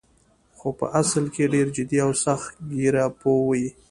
خو په اصل کې ډېر جدي او سخت ګیره پوه وې.